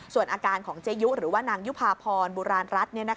ส่วนอาการของเจยุหรือว่านางยุภาพรบุราณรัฐ